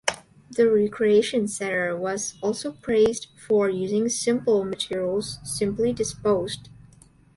The recreation center was also praised for using "simple materials simply disposed".